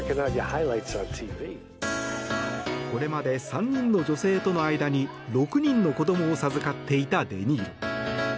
これまで３人の女性との間に６人の子どもを授かっていたデ・ニーロ。